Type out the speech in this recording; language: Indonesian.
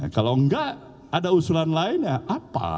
kalau enggak ada usulan lain ya apa